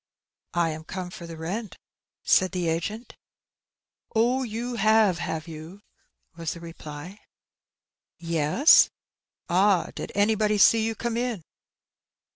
'^I am come for the rent," said the agent. "Oh, you have, have you?" was the reply. 14 Her Benny. '' Yes/' '^Ah! Did anybody see you come in?